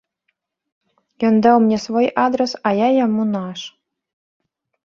Ён даў мне свой адрас, а я яму наш.